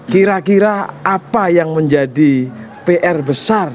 kira kira apa yang menjadi pr besar